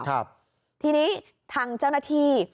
ทีนี้ทางเจ้าหน้าที่